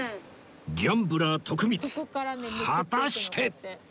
ギャンブラー徳光果たして？